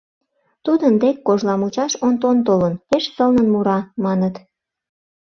— Тудын дек Кожламучаш Онтон толын, пеш сылнын мура, маныт.